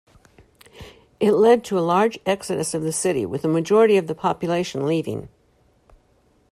It led to a large exodus of the city, with a majority of the population leaving.